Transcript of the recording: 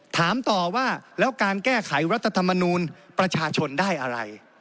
ถามต่อว่าแล้วการแก้ไขรัฐธรรมนูลประชาชนได้อะไร